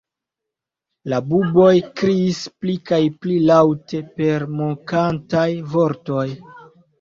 La buboj kriis pli kaj pli laŭte per mokantaj vortoj.